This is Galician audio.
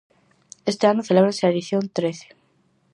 Este ano celébrase a edición trece.